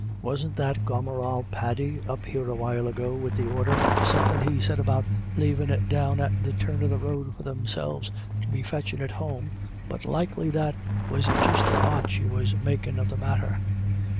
Wasn't that gomeral Paddy up here awhile ago with the order ? Somethin' he said about lavin' it down at the turn of the road for themselves to be fetchin* it home, but likely that was just a botch he was makin' of the matter.